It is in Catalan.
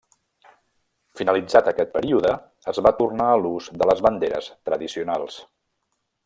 Finalitzat aquest període, es va tornar a l'ús de les banderes tradicionals.